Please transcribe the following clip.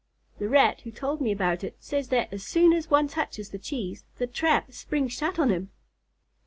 The Rat who told me about it says that as soon as one touches the cheese, the trap springs shut on him."